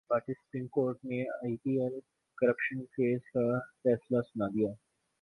بھارتی supreme court نے I P L corruption case کا فیصلہ سنادیا